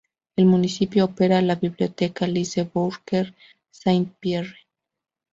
El municipio opera la biblioteca Lise-Bourque-Saint-Pierre.